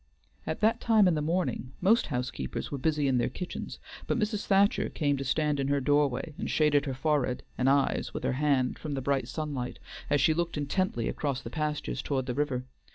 At that time in the morning most housekeepers were busy in their kitchens, but Mrs. Thacher came to stand in her doorway, and shaded her forehead and eyes with her hand from the bright sunlight, as she looked intently across the pastures toward the river.